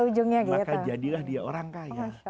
ujungnya maka jadilah dia orang kaya